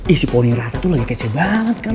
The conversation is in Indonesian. ih si poni raca tuh lagi case banget kali